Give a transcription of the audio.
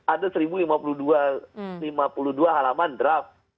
ada seribu lima puluh dua halaman draft